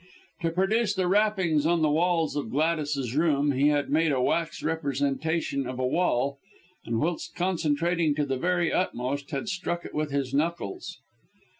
To produce the rappings on the walls of Gladys's room, he had made a wax representation of a wall, and whilst concentrating to the very utmost, had struck it with his knuckles.